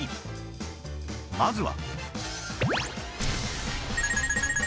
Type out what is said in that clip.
まずは